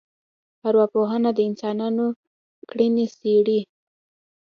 ارواپوهنه د انسانانو کړنې څېړي